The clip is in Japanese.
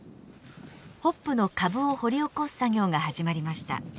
ホップの株を掘り起こす作業が始まりました。